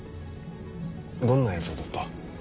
どんな映像だった？